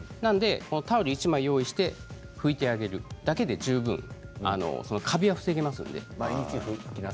タオルを１枚用意して拭いてあげるだけで十分カビは防げますので。